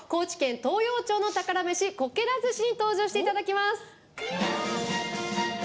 東洋町の宝メシこけら寿司に登場していただきます。